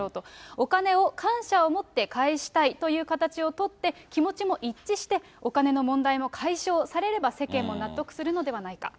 お金を感謝をもって返したいという形をとって、気持ちも一致して、お金の問題も解消されれば世間も納得するのではないか。